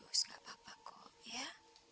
mas gak apa apa kok ya